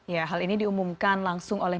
ya hal ini diumumkan langsung oleh